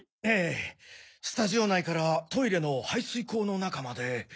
ええスタジオ内からトイレの排水口の中まで。